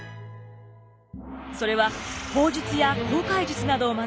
それは砲術や航海術などを学ぶ